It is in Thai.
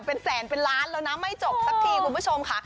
เป็นแสนเป็นล้านแล้วนะไม่จบสักทีคุณผู้ชมค่ะ